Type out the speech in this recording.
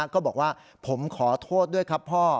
ก็บอกว่าผมขอโทษด้วยครับพ่อ